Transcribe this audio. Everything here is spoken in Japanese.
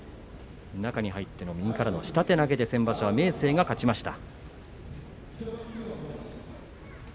中に入って右からの下手投げで先場所は明生が勝ちました。